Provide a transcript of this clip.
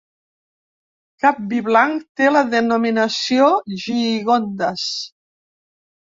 Cap vi blanc té la denominació Gigondas.